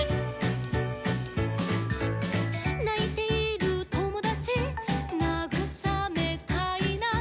「ないているともだちなぐさめたいな」